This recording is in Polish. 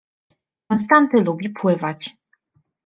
Konstanty lubi pływać.